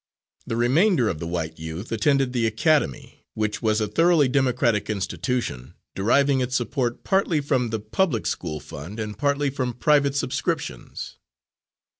The remainder of the white youth attended the academy, which was a thoroughly democratic institution, deriving its support partly from the public school fund and partly from private subscriptions.